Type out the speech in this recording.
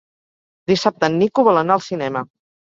Dissabte en Nico vol anar al cinema.